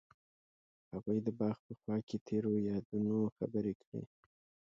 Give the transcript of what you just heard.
هغوی د باغ په خوا کې تیرو یادونو خبرې کړې.